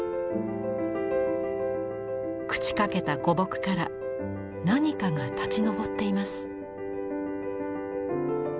朽ちかけた古木から何かが立ち上っています。